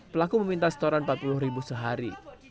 pelaku meminta setoran rp empat puluh ribu sehari